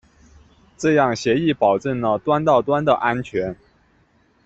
这样协议保证了端到端的安全。